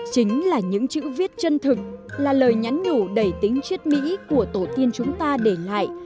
chính là những chữ viết chân thực là lời nhắn nhủ đầy tính chiết mỹ của tổ tiên chúng ta để lại